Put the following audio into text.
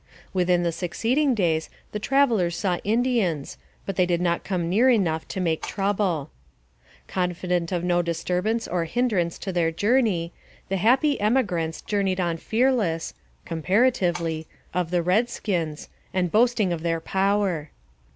Within the succeeding days the travelers saw In dians, but they did not come near enough to make trouble. 244 NARRATIVE OP CAPTIVITY Confident of no disturbance or hinderance to their journey, the happy emigrants journeyed on fearless (comparatively) of the red skins, and boasting of their power.